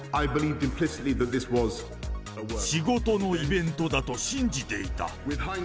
仕事のイベントだと信じていた。